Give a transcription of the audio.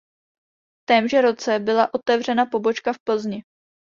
V témže roce byla otevřena pobočka v Plzni.